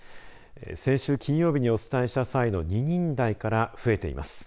先週金曜日にお伝えした際の２人台から増えています。